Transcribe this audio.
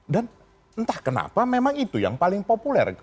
dan entah kenapa memang itu yang paling populer